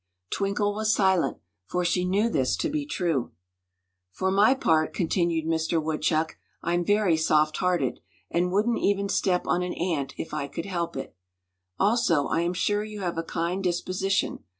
Twinkle was silent, for she knew this to be true. "For my part," continued Mister Woodchuck, "I'm very soft hearted, and wouldn't even step on an ant if I could help it. Also I am sure you have a kind disposition.